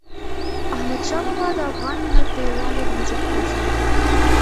احمدشاه بابا د افغان ملت د یووالي بنسټ کېښود.